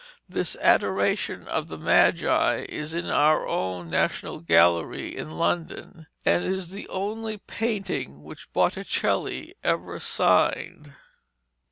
This Adoration of the Magi is in our own National Gallery in London, and is the only painting which Botticelli ever signed.